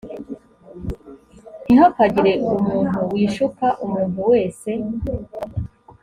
ntihakagire umuntu wishuka umuntu wese